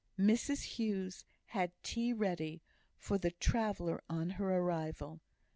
Mrs Hughes had tea ready for the traveller on her arrival.